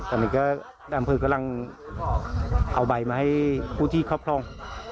ตอนนี้ก็อำเภอกำลังเอาใบมาให้ผู้ที่ครอบครอง